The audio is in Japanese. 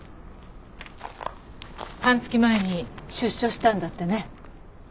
半月前に出所したんだってね。